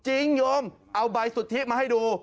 โยมเอาใบสุทธิมาให้ดู